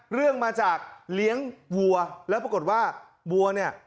เรื่องมาจากเลี้ยงวัวแล้วปรากฏว่าวัวเนี่ย